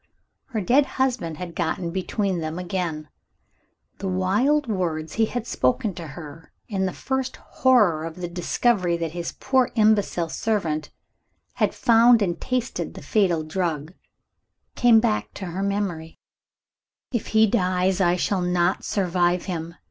Her dead husband had got between them again. The wild words he had spoken to her, in the first horror of the discovery that his poor imbecile servant had found and tasted the fatal drug, came back to her memory "If he dies I shall not survive him.